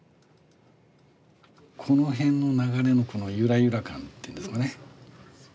この辺の流れのこのゆらゆら感っていうんですかね。